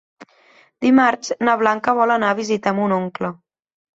Dimarts na Blanca vol anar a visitar mon oncle.